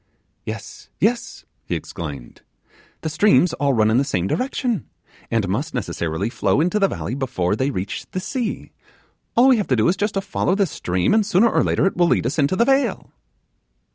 'Yes, yes,' he exclaimed; 'the streams all run in the same direction, and must necessarily flow into the valley before they reach the sea; all we have to do is just to follow this stream, and sooner or later it will lead us into the vale.